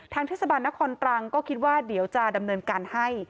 เทศบาลนครตรังก็คิดว่าเดี๋ยวจะดำเนินการให้